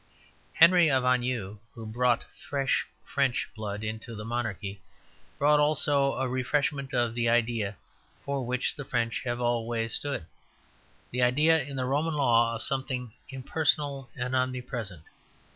Henry of Anjou, who brought fresh French blood into the monarchy, brought also a refreshment of the idea for which the French have always stood: the idea in the Roman Law of something impersonal and omnipresent.